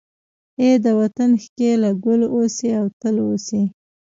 ای د وطن ښکليه، ګل اوسې او تل اوسې